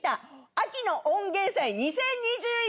秋の音芸祭２０２１！